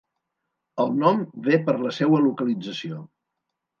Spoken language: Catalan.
El nom ve per la seua localització: